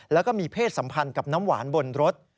แล้วก็มีเพศสัมพันธ์กับน้ำหวานบนรถ